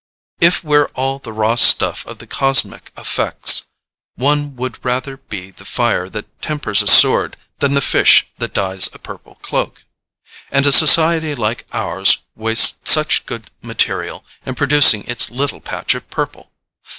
If we're all the raw stuff of the cosmic effects, one would rather be the fire that tempers a sword than the fish that dyes a purple cloak. And a society like ours wastes such good material in producing its little patch of purple!